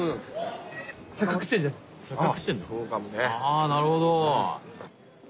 あなるほど。